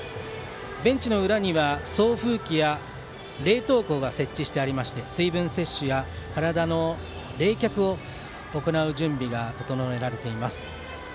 ベンチの裏には送風機や冷凍庫が設置してありまして水分摂取や体の冷却を行う準備が整えられています。